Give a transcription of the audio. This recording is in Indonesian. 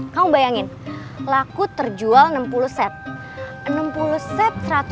kamu bayangin laku terjual enam puluh set